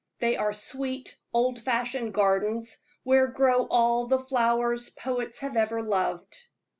They are sweet, old fashioned gardens, where grow all the flowers poets have ever loved.